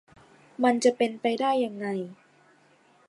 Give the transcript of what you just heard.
มันจะเป็นไปได้ยังไง